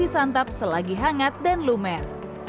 disantap selagi hangat dan lumer